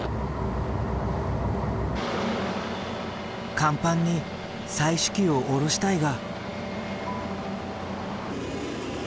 甲板に採取機を下ろしたいが。